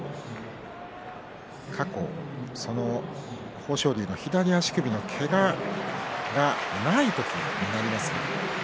豊昇龍の左足首のけががない時になります。